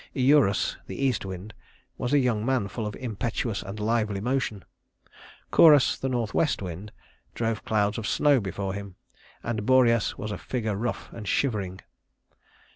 Eurus, the east wind, was a young man full of impetuous and lively motion. Corus, the northwest wind, drove clouds of snow before him, and Boreas was a figure rough and shivering.